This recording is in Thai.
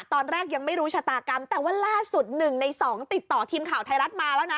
ตอนแรกยังไม่รู้ชะตากรรมแต่ว่าล่าสุด๑ใน๒ติดต่อทีมข่าวไทยรัฐมาแล้วนะ